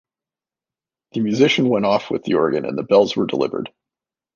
The musician went off with the organ and the bells were delivered.